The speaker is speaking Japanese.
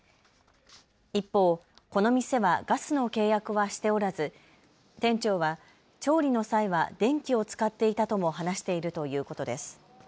一方、この店はガスの契約はしておらず店長は調理の際は電気を使っていたとも話しているということです。